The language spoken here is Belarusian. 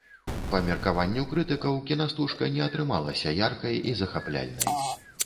Па меркаванню крытыкаў, кінастужка не атрымалася яркай і захапляльнай.